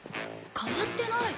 変わってない。